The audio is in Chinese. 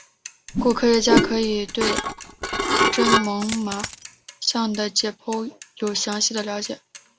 故科学家可以对真猛玛象的解剖有详细的了解。